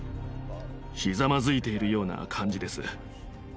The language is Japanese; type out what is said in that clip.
ひざまずいているような感じです。